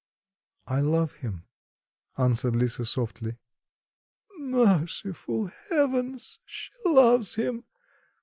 "I love him," answered Lisa softly. "Merciful Heavens! She loves him!"